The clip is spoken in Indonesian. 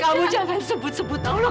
kamu jangan sebut sebut allah